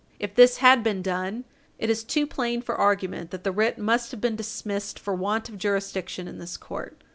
If this had been done, it is too plain for argument that the writ must have been dismissed for want of jurisdiction in this court.